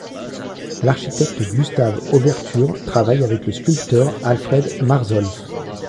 L'architecte Gustave Oberthür travaille avec le sculpteur Alfred Marzolff.